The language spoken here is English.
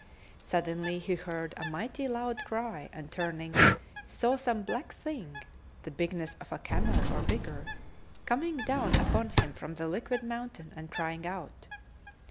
Suddenly, he heard a mighty loud cry and turning, saw some black thing, the bigness of a camel or bigger, coming down upon him from the liquid mountain and crying out.